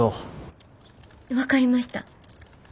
分かりました。